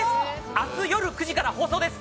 明日よる９時から放送です。